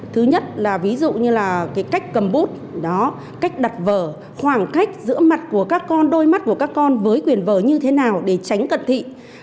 thứ nhất là ví dụ như là cái cách cầm bút đó cách đặt vở khoảng cách giữa mặt của các con đôi mắt của các con với quyền vở như thế nào để tránh cận thị